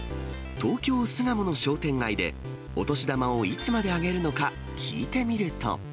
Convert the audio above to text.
東京・巣鴨の商店街で、お年玉をいつまであげるのか聞いてみると。